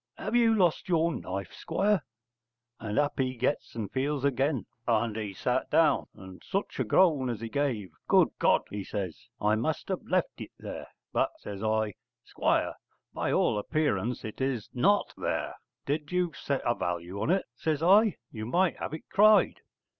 have you lost your knife, Squire?' And up he gets and feels again and he sat down, and such a groan as he gave. 'Good God!' he says, 'I must have left it there.' 'But,' says I, 'Squire, by all appearance it is not there. Did you set a value on it,' says I, 'you might have it cried.'